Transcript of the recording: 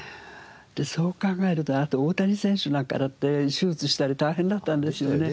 そう考えるとあと大谷選手なんかだって手術したり大変だったんですよね。